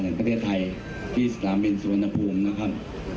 แห่งประเทศไทยที่สนามบินสุวรรณภูมินะครับ